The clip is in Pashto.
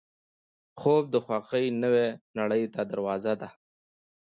خوب د خوښۍ نوې نړۍ ته دروازه ده